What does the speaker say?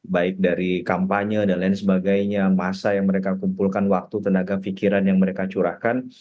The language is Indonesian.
baik dari kampanye dan lain sebagainya masa yang mereka kumpulkan waktu tenaga pikiran yang mereka curahkan